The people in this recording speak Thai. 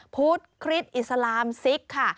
พุทธคริสต์อิสลามซิกค่ะ